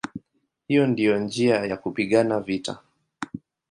Hiyo ndiyo njia ya kupigana vita".